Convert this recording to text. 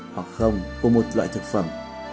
hoặc không của một loại thực phẩm